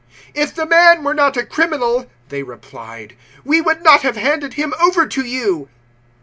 018:030 "If the man were not a criminal," they replied, "we would not have handed him over to you."